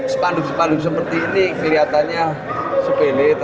spanduk spanduk seperti ini kelihatannya sepele